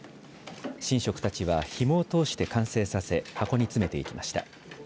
神職たちはひもを通して完成させ箱に詰めていきました。